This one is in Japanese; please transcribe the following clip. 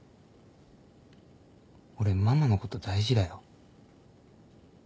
俺ママのこと大事だよ。